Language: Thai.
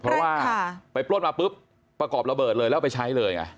เพราะว่าไปปล้นมาปุ๊บประกอบระเบิดเลยแล้วไปใช้เลยไง